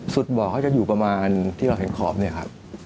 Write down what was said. บ่อเขาจะอยู่ประมาณที่เราเห็นขอบเนี่ยครับ